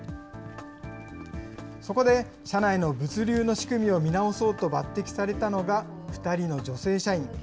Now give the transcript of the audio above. そこで社内の物流の仕組みを見直そうと抜てきされたのが２人の女性社員。